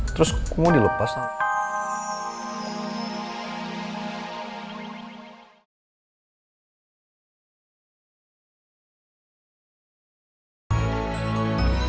terus kok mau dilepas sama